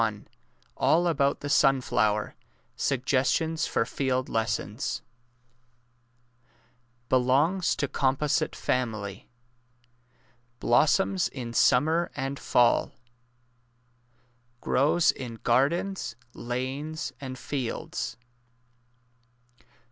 207 ALL ABOUT THE SUNFLOWER SUGGESTIONS FOR FIELD LESSONS Belongs to composite family. Blossoms in smnmer and fall. Grows in gardens, lanes, and fields.